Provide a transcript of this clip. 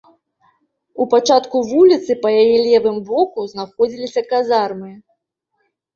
У пачатку вуліцы па яе левым боку знаходзіліся казармы.